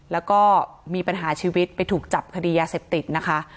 แล้วก็มีปัญหาชีวิตไปถูกจับคดียาเสพติดนะคะ